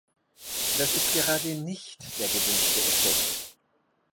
Das ist gerade nicht der gewünschte Effekt.